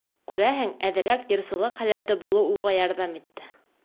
Күрәһең, әҙерәк йырсылыҡ һәләте булыу уға ярҙам итте.